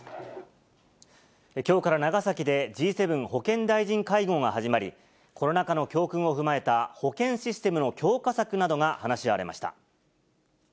きょうから長崎でＧ７保健大臣会合が始まり、コロナ禍の教訓を踏まえた保健システムの強化策などが話し合われました。